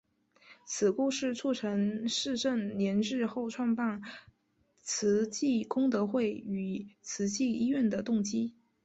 此故事促成释证严日后创办慈济功德会与慈济医院的动机。